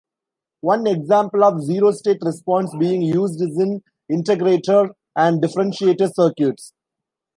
One example of zero state response being used is in integrator and differentiator circuits.